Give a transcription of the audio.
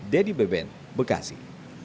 dedy beben bekasi